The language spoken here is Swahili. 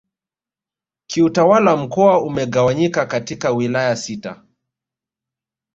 Kiutawala mkoa umegawanyika katika Wilaya sita